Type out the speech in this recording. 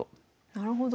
なるほど。